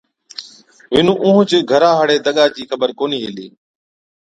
وِنُون اُٺُونچ گھران هاڙي دگا چِي خبر ڪونهِي هِلِي۔